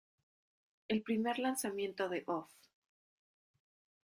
El primer lanzamiento de Off!